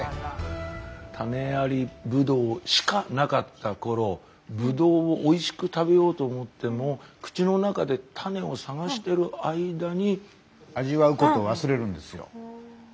種ありブドウしかなかった頃ブドウをおいしく食べようと思っても口の中で種を探してる間に。